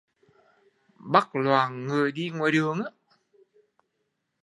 Bắt loạn người đi ngoài đường